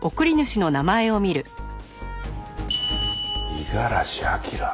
「五十嵐明」？